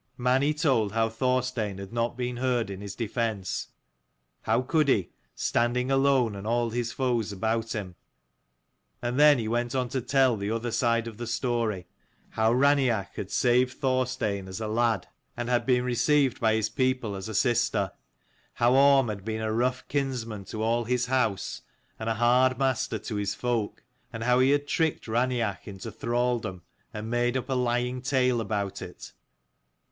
Mani told how Thorstein had not been heard in his defence, how could he, standing alone and all his foes about him ? And then he went on to tell the other side of the story; how Raineach had saved Thorstein as a lad, and 237 had been received by his people as a sister : how Orm had been a rough kinsman to all his house, and a hard master to his folk : and how he had tricked Raineach into thralldom, and made up a lying tale about it.